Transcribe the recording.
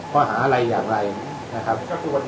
ข้อหาอะไรอย่างไรนะครับ